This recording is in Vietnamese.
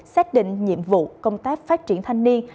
xác định nhiệm vụ công tác phát triển thanh niên